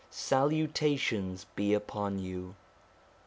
Salutations be upon you.